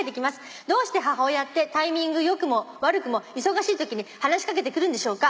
「どうして母親ってタイミング良くも悪くも忙しいときに話し掛けてくるんでしょうか」